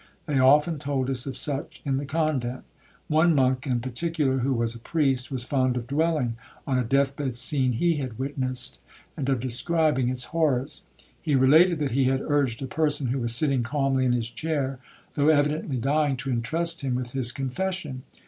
They often told us of such in the convent. One monk in particular, who was a priest, was fond of dwelling on a death bed scene he had witnessed, and of describing its horrors. He related that he had urged a person, who was sitting calmly in his chair, though evidently dying, to intrust him with his confession.